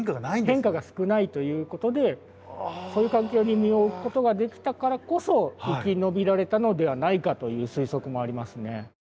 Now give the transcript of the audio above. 変化が少ないということでそういう環境に身を置くことができたからこそ生き延びられたのではないかという推測もありますね。